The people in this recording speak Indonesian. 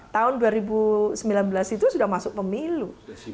tahun dua ribu sembilan belas itu sudah masuk pemilu